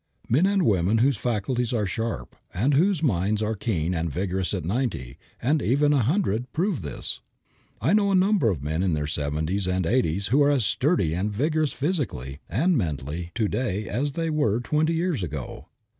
Men and women whose faculties are sharp and whose minds are keen and vigorous at ninety, and even at a hundred, prove this. I know a number of men in their seventies and eighties who are as sturdy and vigorous physically and mentally to day as they were twenty years ago.